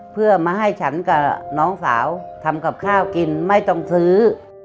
เพื่อมาให้ฉันกับน้องสาวทำกับข้าวกินไม่ต้องซื้อ